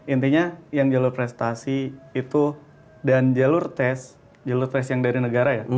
intinya yang jalur prestasi itu dan jalur tes jalur tes yang dari negara ya